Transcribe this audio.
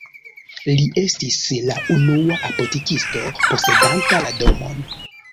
Li estis la unua apotekisto posedanta la domon.